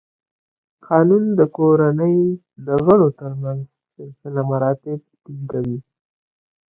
قانون د کورنۍ د غړو تر منځ سلسله مراتب ټینګوي.